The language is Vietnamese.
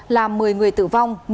làm một mươi người tử vong